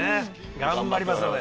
頑張りますので。